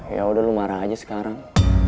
ya udah lu marah aja sekarang